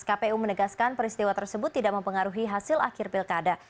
kpu menegaskan peristiwa tersebut tidak mempengaruhi hasil akhir pilkada